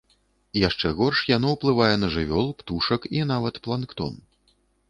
Яшчэ горш яно ўплывае на жывёл, птушак і нават планктон.